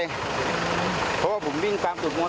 เพราะว่าผมวิ่งตามสูตรมอเซต์มา